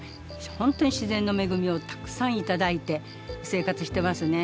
ほんとに自然の恵みをたくさんいただいて生活してますね。